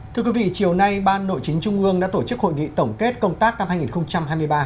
thưa quý vị chiều nay ban nội chính trung ương đã tổ chức hội nghị tổng kết công tác năm hai nghìn hai mươi ba